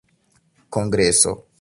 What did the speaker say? kongreso